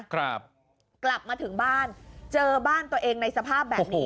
กลับมาถึงบ้านเจอบ้านตัวเองในสภาพแบบนี้